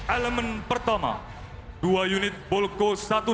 elemen pertama dua unit bolko satu ratus lima